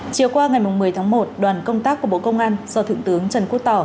chiều qua ngày một mươi tháng một đoàn công tác của bộ công an do thượng tướng trần quốc tỏ